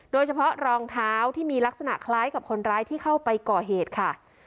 โดยเฉพาะรองเท้าที่มีลักษณะคล้ายกับคนร้ายที่เข้าไปก่อเหตุค่ะ